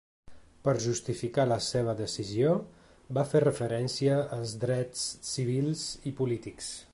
Per justificar la seva decisió, va fer referència als drets civils i polítics.